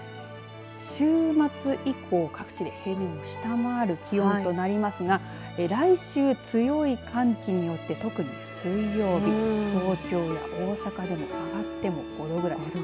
週末以降、各地で平年を下回る気温となりますが来週、強い寒気によって、特に水曜日、東京や大阪でも上がっても５度ぐらい。